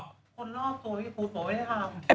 คนรอบโตพูดว่าไม่ได้ทำ